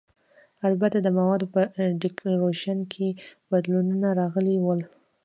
البته د موادو په ډیکورېشن کې بدلونونه راغلي ول.